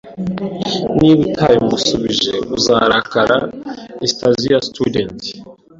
Niba utabimusubije, azarakara! eastasiastudent